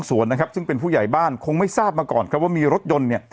นะครับซึ่งเป็นผู้ใหญ่บ้านคงไม่ทราบมาก่อนครับว่ามีรถยนต์เนี่ย